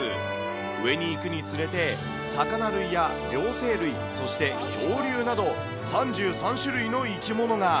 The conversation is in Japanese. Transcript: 上に行くにつれて、魚類や両生類、そして恐竜など、３３種類の生き物が。